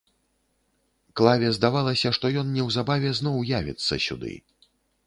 Клаве здавалася, што ён неўзабаве зноў явіцца сюды.